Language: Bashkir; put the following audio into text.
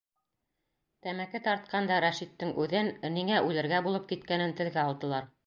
Тәмәке тартҡанда Рәшиттең үҙен, ниңә үлергә булып киткәнен телгә алдылар.